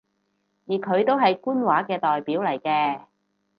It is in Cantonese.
而佢都係官話嘅代表嚟嘅